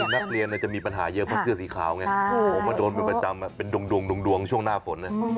นักเรียนจะมีปัญหาเยอะเพราะเสื้อสีขาวไงผมมาโดนเป็นประจำเป็นดวงช่วงหน้าฝน